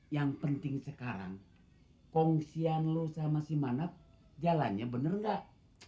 yang penting sekarang kongsian lo sama si manap jalannya benar nggak